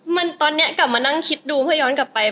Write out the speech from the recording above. มันตอนนี้กลับมานั่งคิดดูเพื่อย้อนกลับไป